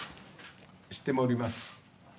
知っております。